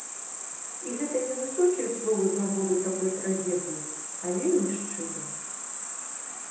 І гэта не высокія словы з нагоды такой трагедыі, а вельмі шчыра.